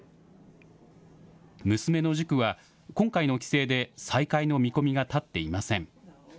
娘の塾は、今回の規制で再開の見込みが立っていません。